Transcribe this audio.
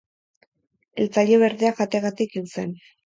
Hiltzaile berdeak jateagatik hil zen.